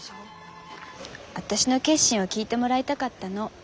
私の決心を聞いてもらいたかったの。